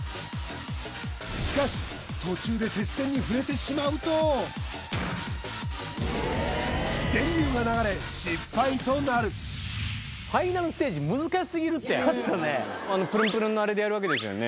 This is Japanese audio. しかし途中で鉄線に触れてしまうと電流が流れ失敗となるあのプルンプルンのあれでやるわけですよね